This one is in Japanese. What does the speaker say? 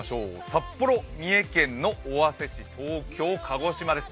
札幌、三重県尾鷲市、東京、鹿児島です。